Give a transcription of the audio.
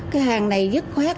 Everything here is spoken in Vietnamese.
cái hàng này dứt khoát